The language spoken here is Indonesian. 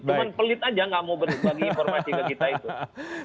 cuma pelit aja nggak mau berbagi informasi ke kita itu